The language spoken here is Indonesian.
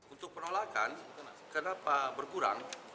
untuk penolakan kenapa berkurang